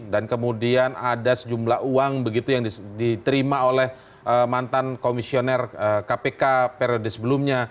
dan kemudian ada sejumlah uang begitu yang diterima oleh mantan komisioner kpk periode sebelumnya